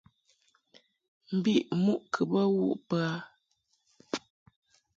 Mbiʼ muʼ kɨ bə wuʼ bə a .